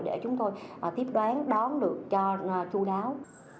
để chúng tôi tiếp đoán đón được cho chú đáo